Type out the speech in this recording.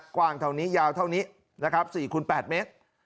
กว้างเท่านี้ยาวเท่านี้นะครับ๔คูณ๘เมตร